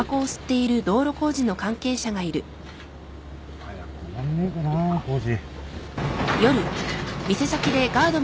早く終わんねぇかな工事。